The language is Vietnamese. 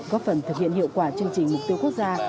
góp phần thực hiện hiệu quả chương trình mục tiêu quốc gia